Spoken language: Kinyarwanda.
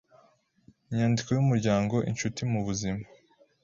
Inyandiko y’Umuryango Inshuti mu Buzima